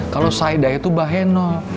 kalo saedah itu bahenol